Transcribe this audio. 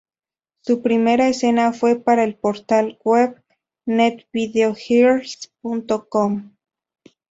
Su primera escena fue para el portal web Netvideogirls.com.